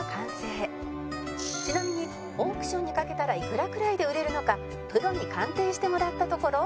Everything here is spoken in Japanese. ちなみにオークションにかけたらいくらくらいで売れるのかプロに鑑定してもらったところ